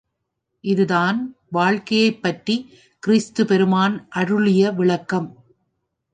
இதுதான் வாழ்க்கையைப் பற்றிக் கிறிஸ்து பெருமான் அருளிய விளக்கம்.